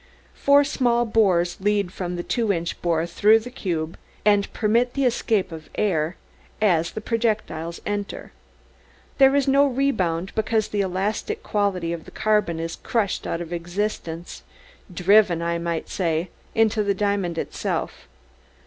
Four small bores lead from the two inch bore through the cube, and permit the escape of air as the projectiles enter. There is no rebound because the elastic quality of the carbon is crushed out of existence driven, I may say, into the diamond itself.